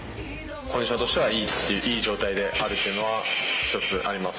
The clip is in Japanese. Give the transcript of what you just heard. コンディションとしてはいい状態であるっていうのは、一つあります。